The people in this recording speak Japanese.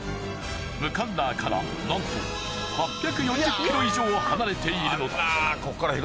ムカッラーからなんと８４０ｋｍ以上離れているのだ。